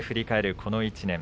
この１年。